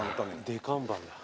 「でかんばん」だ。